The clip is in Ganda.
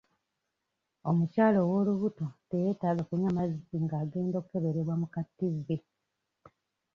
Omukyala ow'olubuto teyeetaaga kunywa mazzi nga agenda okukeberwa mu ka tivi.